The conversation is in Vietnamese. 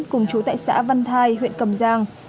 cùng trú tại xã văn thai huyện cầm giang